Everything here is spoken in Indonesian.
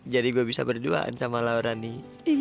jadi gue bisa berduaan sama laura nih